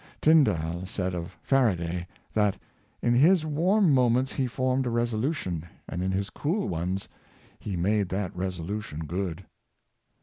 Tyndall said of Faraday, that "in his warm moments he formed a resolution, and in his cool ones he made that resolution good."